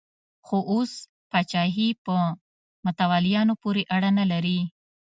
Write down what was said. خو اوس پاچاهي په متولیانو پورې اړه نه لري.